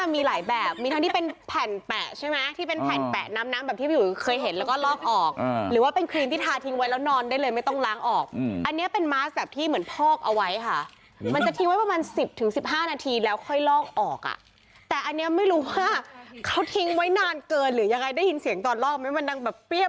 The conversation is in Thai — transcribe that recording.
มีหลายแบบมีทั้งที่เป็นแผ่นแปะใช่ไหมที่เป็นแผ่นแปะน้ำน้ำแบบที่พี่อุ๋ยเคยเห็นแล้วก็ลอกออกหรือว่าเป็นครีมที่ทาทิ้งไว้แล้วนอนได้เลยไม่ต้องล้างออกอันนี้เป็นมาสแบบที่เหมือนพอกเอาไว้ค่ะมันจะทิ้งไว้ประมาณสิบถึงสิบห้านาทีแล้วค่อยลอกออกอ่ะแต่อันนี้ไม่รู้ว่าเขาทิ้งไว้นานเกินหรือยังไงได้ยินเสียงตอนลอกไหมมันดังแบบเปรี้ย